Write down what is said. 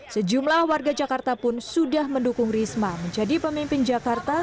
sejumlah warga jakarta pun sudah mendukung risma menjadi pemimpin jakarta dua ribu tujuh belas